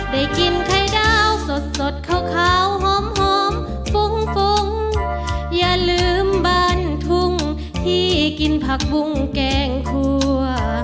ได้กินไข่ดาวสดสดขาวหอมฟุ้งฟุ้งอย่าลืมบ้านทุ่งที่กินผักบุ้งแกงครัว